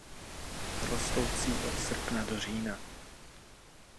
Rostoucí od srpna do října.